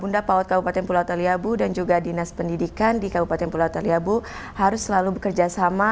bunda paut kabupaten pulau taliabu dan juga dinas pendidikan di kabupaten pulau taliabu harus selalu bekerja sama